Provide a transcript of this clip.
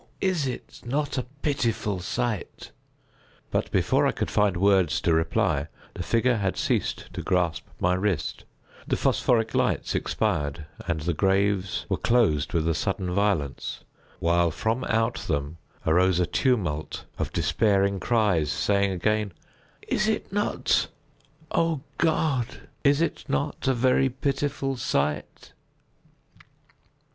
is it not a pitiful sight?" But, before I could find words to reply, the figure had ceased to grasp my wrist, the phosphoric lights expired, and the graves were closed with a sudden violence, while from out them arose a tumult of despairing cries, saying again: "Is it not—O, God, is it not a very pitiful sight?"